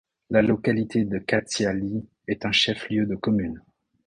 La localité de Katiali est un chef-lieu de commune.